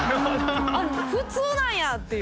あっ普通なんやっていう。